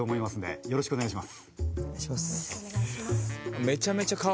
よろしくお願いします。